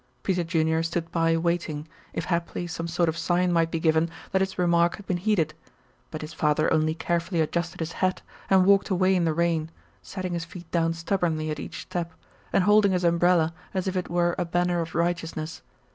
Peter Junior stood by waiting, if haply some sort of sign might be given that his remark had been heeded, but his father only carefully adjusted his hat and walked away in the rain, setting his feet down stubbornly at each step, and holding his umbrella as if it were a banner of righteousness.